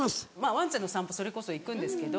ワンちゃんの散歩それこそ行くんですけど。